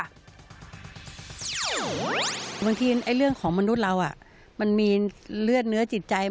บางทีเรื่องของมนุษย์เรามันมีเลือดเนื้อจิตใจ